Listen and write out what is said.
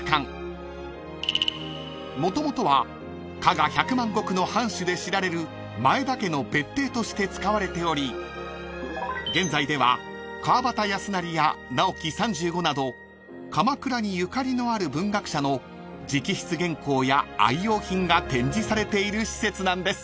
［もともとは加賀百万石の藩主で知られる前田家の別邸として使われており現在では川端康成や直木三十五など鎌倉にゆかりのある文学者の直筆原稿や愛用品が展示されている施設なんです］